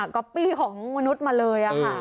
อปปี้ของมนุษย์มาเลยค่ะ